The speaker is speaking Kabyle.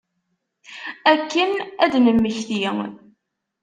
Akken ad d-nemmekti.